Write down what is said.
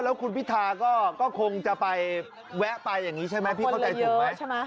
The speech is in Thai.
แล้วคุณพิธาก็คงจะไปแวะไปอย่างนี้ใช่ไหมพี่เข้าใจถูกไหม